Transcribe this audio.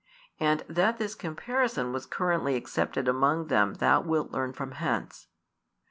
And that this comparison was currently accepted among them thou wilt learn from hence.